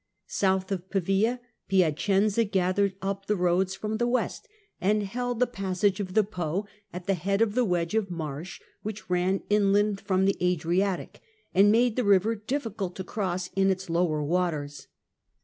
South . of Pavia, Piacenza gathered up the roads from the west, and held the passage of the Po at the head of the wedge of marsh which ran inland from the Adriatic, and made the river difficult to cross in its lower waters.